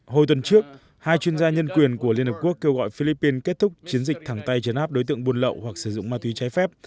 hồi tuần trước hai chuyên gia nhân quyền của liên hợp quốc kêu gọi philippines kết thúc chiến dịch thẳng tay chấn áp đối tượng buôn lậu hoặc sử dụng ma túy trái phép